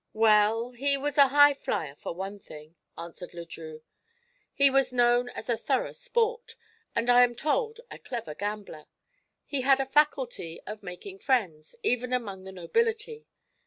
"Well, he was a highflier, for one thing." answered Le Drieux. "He was known as a thorough 'sport' and, I am told, a clever gambler. He had a faculty of making friends, even among the nobility.